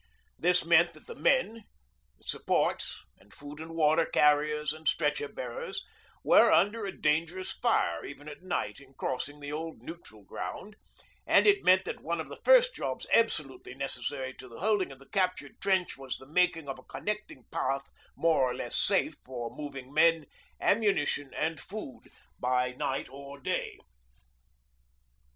This meant that the men supports, and food and water carriers, and stretcher bearers were under a dangerous fire even at night in crossing the old 'neutral' ground, and it meant that one of the first jobs absolutely necessary to the holding of the captured trench was the making of a connecting path more or less safe for moving men, ammunition, and food by night or day.